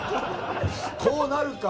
こうなるか。